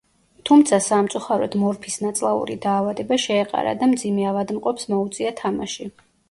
თუმცა სამწუხაროდ მორფის ნაწლავური დაავადება შეეყარა და მძიმე ავადმყოფს მოუწია თამაში.